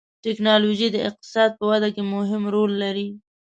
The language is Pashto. ټکنالوجي د اقتصاد په وده کې مهم رول لري.